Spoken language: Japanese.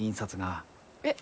えっ？